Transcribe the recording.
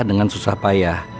dengan susah payah